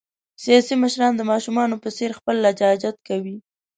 سیاسي مشران د ماشومان په څېر خپل لجاجت کوي.